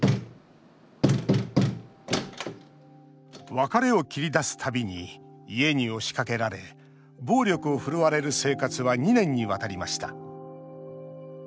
別れを切り出すたびに家に押しかけられ暴力を振るわれる生活は２年にわたりました。